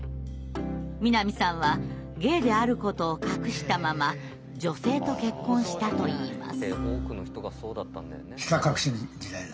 南さんはゲイであることを隠したまま女性と結婚したといいます。